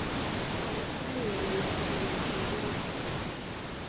Wamasai Wana mavazi ya utamaduni ya kipekee